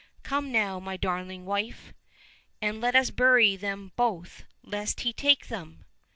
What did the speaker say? Come now, my darling wife ! and let us bury them both lest he take them